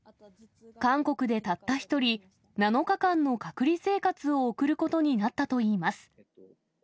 韓国でたった一人、７日間の隔離生活を送ることになったといいます。